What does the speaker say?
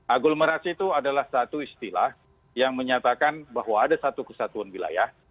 aglomerasi itu adalah satu istilah yang menyatakan bahwa ada satu kesatuan wilayah